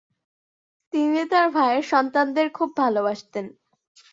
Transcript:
তিনি তার ভাইয়ের সন্তানদের খুব ভালবাসতেন।